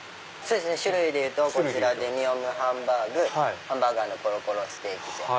種類でいうとデミオムハンバーグハンバーグ＆コロコロステーキ膳